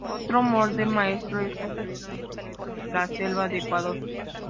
Otro Molde Maestro es construido en secreto en la selva de Ecuador.